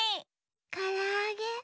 からあげ。